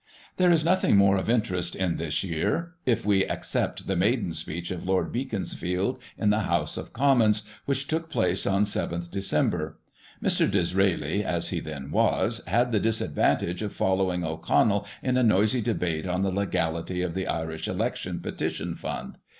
There is nothing more of interest in this year, if we except the maiden speech of Lord Beaconsfield, in the House of Commons, which took place on 7th Dec. Mr. Disraeli (as he then was) had the disadvantage of following O'Connell, in a noisy debate on the legality of the Irish Election Petitions Fund.